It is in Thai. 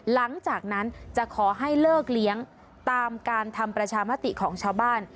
หลังจากนั้นจะขอให้เลิกเลี้ยงตามการทำประชามติของชาวบ้าน